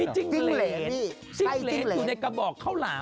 จิ้งเหลนอยู่ในกระบอกข้าวหลาม